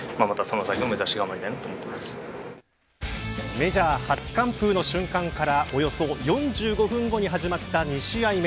メジャー初完封の瞬間からおよそ４５分後に始まった２試合目。